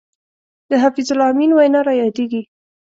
د حفیظ الله امین وینا را یادېږي.